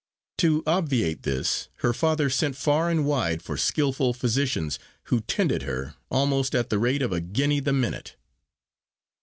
To obviate this, her father sent far and wide for skilful physicians, who tended her, almost at the rate of a guinea the minute.